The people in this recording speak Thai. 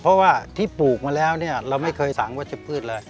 เพราะว่าที่ปลูกมาแล้วเนี่ยเราไม่เคยสั่งวัชพืชเลย